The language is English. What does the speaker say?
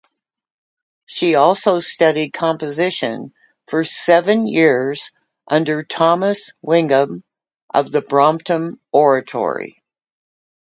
She also studied composition for seven years under Thomas Wingham of the Brompton Oratory.